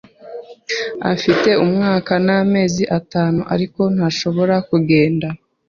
Afite umwaka n'amezi atanu, ariko ntashobora kugenda.